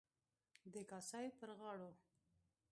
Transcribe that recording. د کاسای پر غاړو.